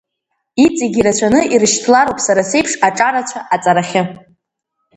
Иҵегь ирацәаны ирышьҭлароуп сара сеиԥш аҿарацәа аҵарахьы.